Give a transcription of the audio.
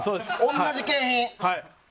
同じ景品。